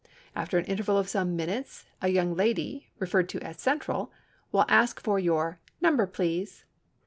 After an interval of some minutes a young lady (referred to as "Central") will ask for your "Number, please."